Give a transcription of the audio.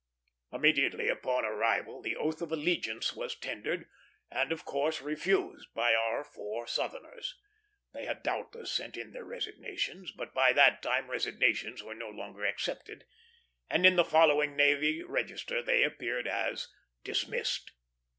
Immediately upon arrival, the oath of allegiance was tendered, and, of course, refused by our four Southerners. They had doubtless sent in their resignations; but by that time resignations were no longer accepted, and in the following Navy Register they appeared as "dismissed."